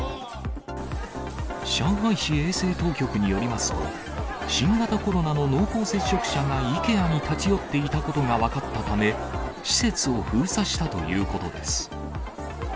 上海市衛生当局によりますと、新型コロナの濃厚接触者がイケアに立ち寄っていたことが分かったため、施設を封鎖したということです。